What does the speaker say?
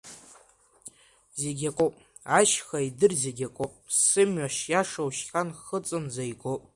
Зегь акоуп, ашьха, идыр, зегь акоуп, сымҩа шиашоу шьха-нхыҵынӡа игоуп.